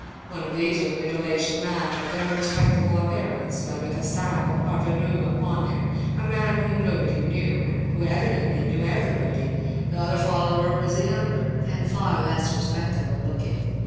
One of these was a middle aged man of very respectable appearance, but with the stamp of parvenu upon him, a man whom nobody knew, and who evidently knew nobody. The other follower was younger and far less respectable looking.